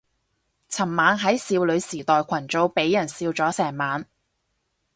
尋晚喺少女時代群組俾人笑咗成晚